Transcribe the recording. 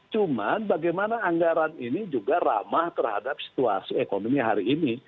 cuman bagaimana anggaran ini juga ramah terhadap situasi ekonomi hari ini